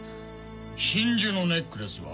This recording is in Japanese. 真珠のネックレスは？